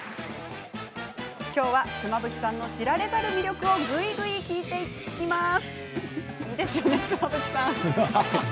今日は妻夫木さんの知られざる魅力をぐいぐい聞いていきます。